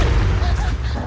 enggak tidak pekerja hutan ''